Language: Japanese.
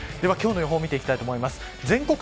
今日の予報を見ていきたいと思います。